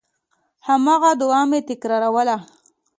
هماغه دعا مې تکراروله.